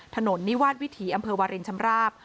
ถนนนี่วาดวิถีอวริชชำราบ